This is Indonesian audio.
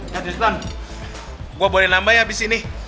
ntar istan gue boleh nambah ya habis ini